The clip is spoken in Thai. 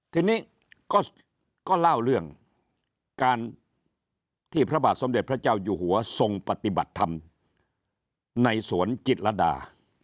ทีนี้ก็เล่าเรื่องการที่พระบาทสมเด็จพระเจ้าอยู่หัวทรงปฏิบัติธรรมในสวนจิตรดา